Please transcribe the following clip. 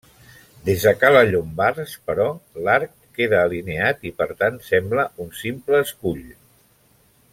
Des de cala Llombards, però, l'arc queda alineat i per tant sembla un simple escull.